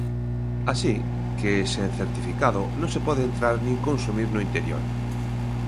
Así que sen certificado non se pode entrar nin consumir no interior.